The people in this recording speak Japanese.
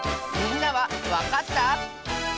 みんなはわかった？